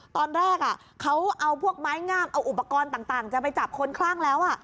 ตอนแรกเขาเอาพวกไม้งามเอาอุปกรณ์ต่างจะไปจับคนคลั่งแล้ว